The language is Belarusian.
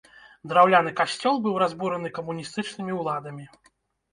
Драўляны касцёл быў разбураны камуністычнымі ўладамі.